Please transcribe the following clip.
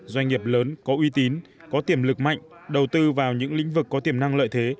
doanh nghiệp lớn có uy tín có tiềm lực mạnh đầu tư vào những lĩnh vực có tiềm năng lợi thế